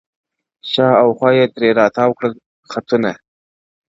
• شاوخوا یې ترې را تاوکړله خطونه -